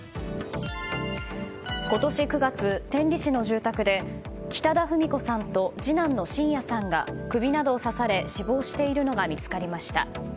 今年９月、天理市の住宅で北田二三子さんと次男の伸也さんが首などを刺され死亡しているのが見つかりました。